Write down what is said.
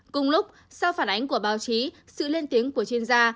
cùng lúc sau phản ánh của báo chí sự lên tiếng của chuyên gia